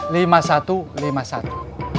lima satu lima satu